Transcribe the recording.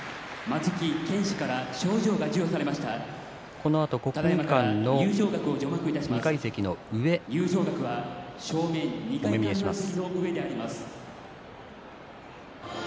このあと国技館の２階席の上優勝額がお目見えします。